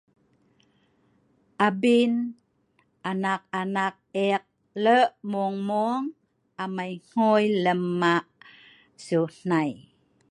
Abin anak anak eek loe' mueng mueng amai ngui lem ma' sieu hnai.